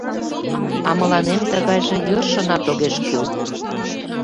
А мыланем тыгайже йӧршынат огеш кӱл.